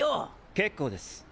結構です。